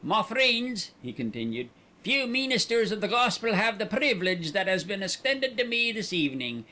"Ma Freends," he continued. "Few meenisters of the Gospel have the preevilege that has been extended to me this evening.